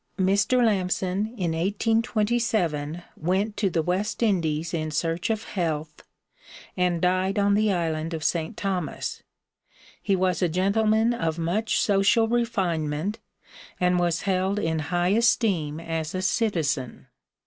Mr. Lamson in 1827 went to the West Indies in search of health, and died on the island of St. Thomas. He was a gentleman of much social refinement, and was held in high esteem as a citizen.